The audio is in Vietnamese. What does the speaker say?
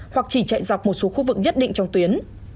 hoặc chỉ chạy dọc một số khu vực nhất định trong tuyến